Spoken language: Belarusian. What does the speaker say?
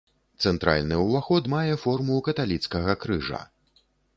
Цэнтральны ўваход мае форму каталіцкага крыжа.